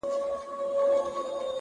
• زما غویی که په منطقو پوهېدلای ,